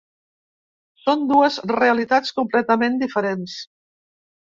Són dues realitats completament diferents.